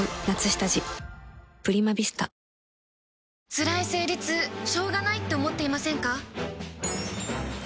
つらい生理痛しょうがないって思っていませんか？